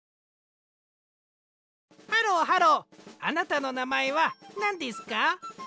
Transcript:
ハローハローあなたのなまえはなんですか？